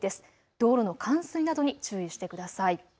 道路の冠水などに注意してください。